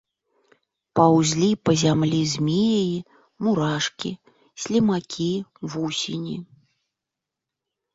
Паўзлі па зямлі змеі, мурашкі, слімакі, вусені.